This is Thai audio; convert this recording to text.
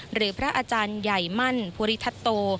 หรือพระอาจารย์ใหญ่มั่นภูริทัตโต